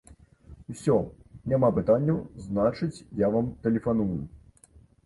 Усё, няма пытанняў, значыць, я вам тэлефаную.